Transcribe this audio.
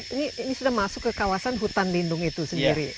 ini sudah masuk ke kawasan hutan lindung itu sendiri